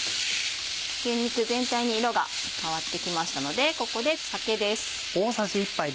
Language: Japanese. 牛肉全体に色が変わってきましたのでここで酒です。